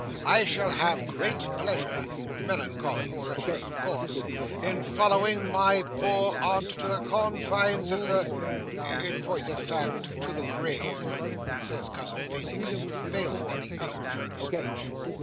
I shall have great pleasure (melancholy pleasure, of course) in following my poor aunt to the confines of the—in point of fact, to the grave," says Cousin Feenix, failing in the other turn of speech.